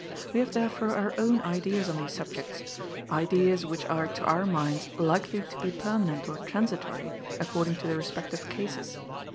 We have therefore our own ideas on these subjects, ideas which are to our minds likely to be permanent or transitory, according to the respective cases.